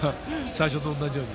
最初と同じように。